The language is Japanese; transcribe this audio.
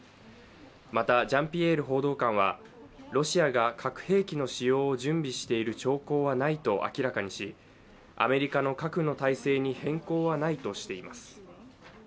また、ジャンピエール報道官はロシアが核兵器の使用を準備している兆候はないと明らかにしアメリカの核の態勢に変更はないとしています。